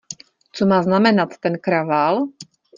Co má znamenat ten kravál?